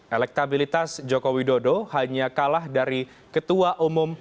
elektabilitas joko widodo hanya kalah dari ketua umum